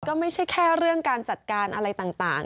ก็ไม่ใช่แค่เรื่องการจัดการอะไรต่าง